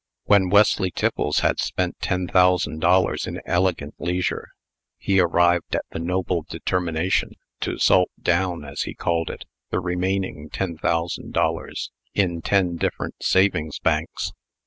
When Wesley Tiffles had spent ten thousand dollars in elegant leisure, he arrived at the noble determination to "salt down," as he called it, the remaining ten thousand dollars, in ten different savings banks.